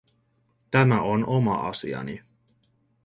Tämä on oma asiani.